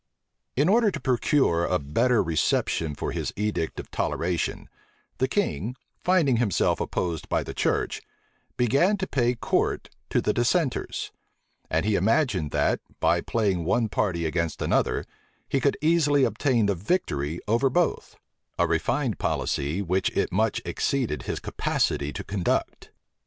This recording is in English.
In order to procure a better reception for his edict of toleration, the king, finding himself opposed by the church, began to pay court to the dissenters; and he imagined that, by playing one party against another, he should easily obtain the victory over both: a refined policy which it much exceeded his capacity to conduct.